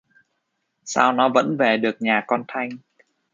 Sao nó vẫn về được nhà con thanh